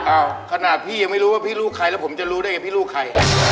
อ้าวขนาดพี่ยังไม่รู้ว่าพี่ลูกใครแล้วผมจะรู้ได้ไงพี่ลูกใคร